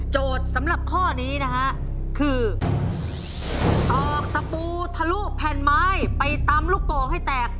สำหรับข้อนี้นะฮะคือออกสปูทะลุแผ่นไม้ไปตำลูกโป่งให้แตก